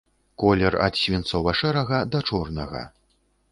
Колер ад свінцова-шэрага да чорнага.